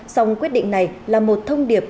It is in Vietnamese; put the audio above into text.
song quyết định này là một thông điệp